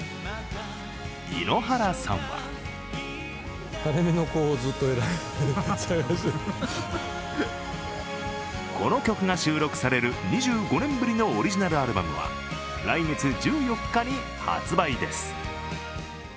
井ノ原さんはこの曲が収録される２５年ぶりのオリジナルアルバムは来月１４日に発売です。